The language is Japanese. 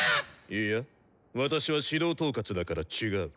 いや私は指導統括だから違う。